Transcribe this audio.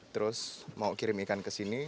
terus mau kirim ikan ke sini